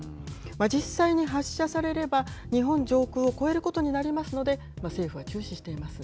実際に発射されれば、日本上空を越えることになりますので、政府は注視しています。